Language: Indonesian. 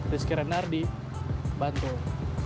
rizky renardi bantul